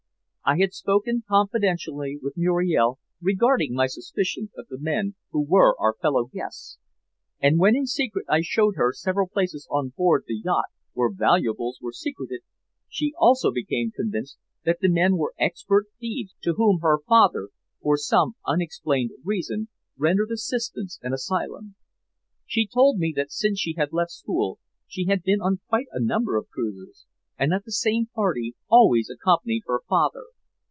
I had spoken confidentially with Muriel regarding my suspicions of the men who were our fellow guests, and when in secret I showed her several places on board the yacht where valuables were secreted, she also became convinced that the men were expert thieves to whom her father, for some unexplained reason, rendered assistance and asylum. She told me that since she had left school she had been on quite a number of cruises, and that the same party always accompanied her father.